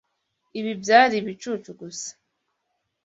Ibi byari ibicucu gusa.